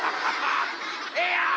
ええやん！